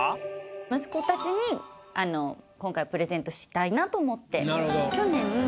息子たちに今回プレゼントしたいなと思って。